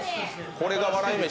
これが笑い飯。